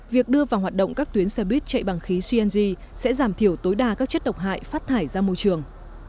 việc đưa vào hoạt động các tuyến xe buýt chạy bằng khí cng sẽ giảm thiểu tối đa các chất độc hại phát thải ra môi trường